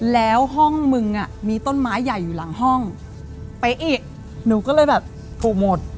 แล้วห้องมึงอ่ะมีต้นไม้ใหญ่อยู่หลังห้องไปอีกหนูก็เลยแบบถูกหมด